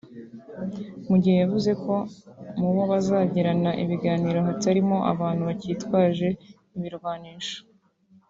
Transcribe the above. mugihe yavuze ko mu bo bazagirana ibiganiro hatarimo abantu bakitwaje ibirwanisho